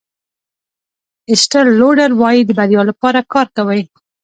ایسټل لوډر وایي د بریا لپاره کار کوئ.